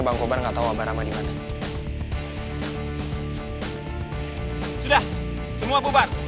gak tau obar sama ni mana